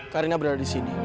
karina berada di sini